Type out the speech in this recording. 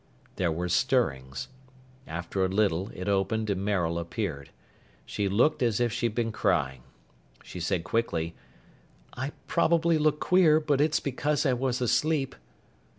There were stirrings. After a little it opened and Maril appeared. She looked as if she'd been crying. She said, quickly, "I probably look queer, but it's because I was asleep."